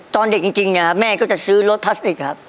ตอนเด็กจริงเนี่ยแม่ก็จะซื้อรถพลาสติกครับ